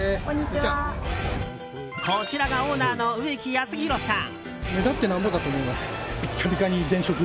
こちらがオーナーの植木康博さん。